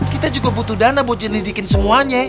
kita juga butuh dana buat jelidikin semuanya